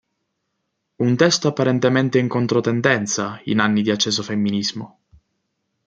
Un testo apparentemente in controtendenza, in anni di acceso femminismo.